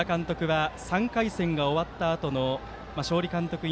小田監督は３回戦が終わったあとの勝利監督